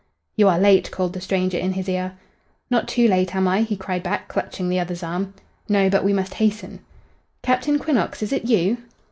"You are late," called the stranger in his ear. "Not too late, am I?" he cried back, clutching the other's arm. "No, but we must hasten." "Captain Quinnox, is it you?"